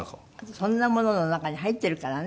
そんなものの中に入ってるからね。